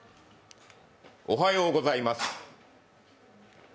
おはようございます。